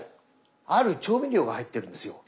ある調味料が入っているんですよ。